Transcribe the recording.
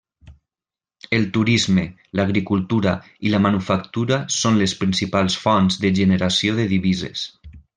El turisme, l'agricultura i la manufactura són les principals fonts de generació de divises.